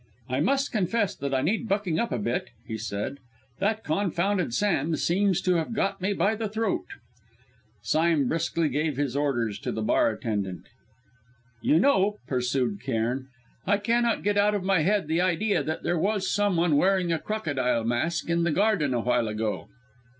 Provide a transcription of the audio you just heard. "I must confess that I need bucking up a bit," he said: "that confounded sand seems to have got me by the throat." Sime briskly gave his orders to the bar attendant. "You know," pursued Cairn, "I cannot get out of my head the idea that there was someone wearing a crocodile mask in the garden a while ago."